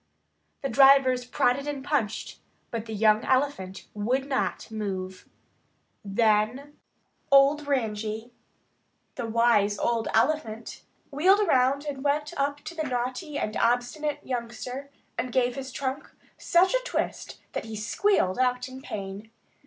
The drivers prodded and punched, but the young elephant would not move. Then old Ranji, the wise old elephant, wheeled around and went up to the naughty and obstinate youngster and gave his trunk such a twist that he squealed out in pain.